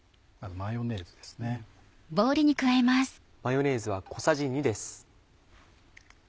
マヨネーズは小さじ２です。